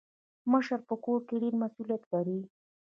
مشر په کور کي ډير مسولیت لري.